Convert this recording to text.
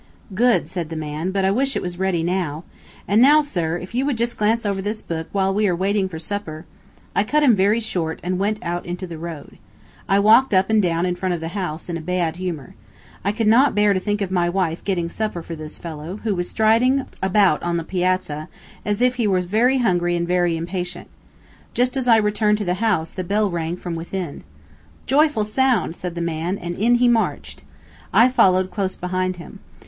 "Good," said the man; "but I wish it was ready now. And now, sir, if you would just glance over this book, while we are waiting for supper " I cut him very short and went out into the road. I walked up and down in front of the house, in a bad humor. I could not bear to think of my wife getting supper for this fellow, who was striding about on the piazza, as if he was very hungry and very impatient. Just as I returned to the house, the bell rang from within. "Joyful sound!" said the man, and in he marched. I followed close behind him.